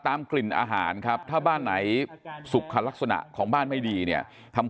กลิ่นอาหารครับถ้าบ้านไหนสุขลักษณะของบ้านไม่ดีเนี่ยทำ